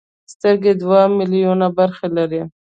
سترګې دوه ملیونه برخې لري.